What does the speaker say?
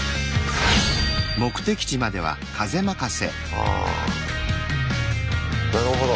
ああなるほど。